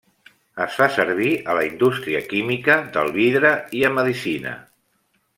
Es fa servir a la indústria química, del vidre i a medicina.